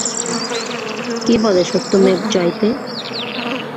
কে বলে সত্যমেব জয়তে?